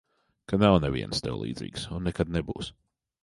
Ka nav nevienas tev līdzīgas un nekad nebūs.